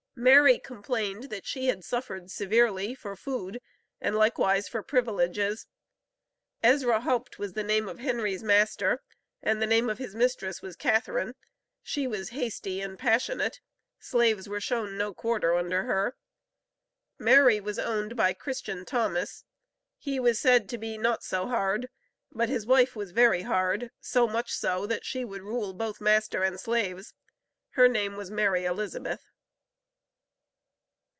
Mary complained that she had suffered severely for food, and likewise for privileges. Ezra Houpt was the name of Henry's master, and the name of his mistress was Catharine, she was hasty and passionate; slaves were shown no quarter under her. Mary was owned by Christian Thomas. He was said to be not so hard, but his wife was very hard, so much so, that she would rule both master and slaves. Her name was Mary Elizabeth.